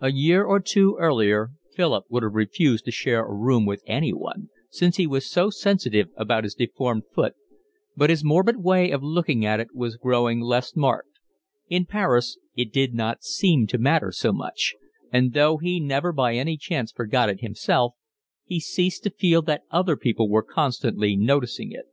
A year or two earlier Philip would have refused to share a room with anyone, since he was so sensitive about his deformed foot, but his morbid way of looking at it was growing less marked: in Paris it did not seem to matter so much, and, though he never by any chance forgot it himself, he ceased to feel that other people were constantly noticing it.